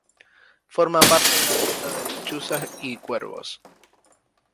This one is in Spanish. Forma parte de la dieta de lechuzas y cuervos.